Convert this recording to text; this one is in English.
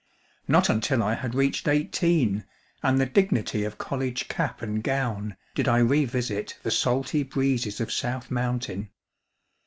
Not until I had reached eighteen, and the dignity of college cap and gown, did I revisit the salty breezes of South Mountain.